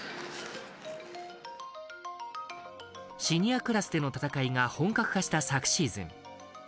シニアクラスでの戦いが本格化した昨シーズン。